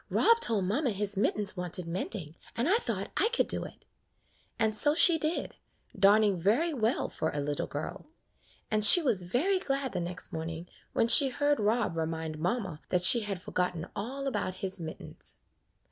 "Rob told mamma his mittens wanted mend ing, and I thought I could do it;" and so she did, darning very well for a little girl ; and she was very glad the next morning when she heard Rob remind mamma that she had for gotten all about his mittens.